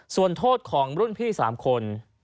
ส่วนโทษของรุ่นพี่๓คน